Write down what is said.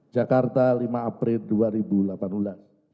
jakarta lima april